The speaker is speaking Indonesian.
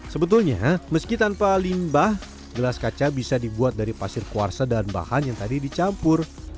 sebetulnya meski tanpa limbah gelas kaca bisa dibuat dari pasir kuarsa dan bahan yang tadi dicampur